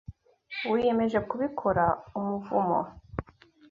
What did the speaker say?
Wiyemeje kubikora umuvumo